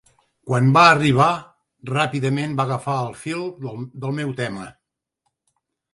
Quan va arribar, ràpidament va agafar el fil del meu tema.